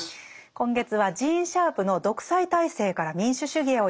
今月はジーン・シャープの「独裁体制から民主主義へ」を読んでいます。